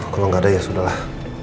kalau nggak ada ya sudah lah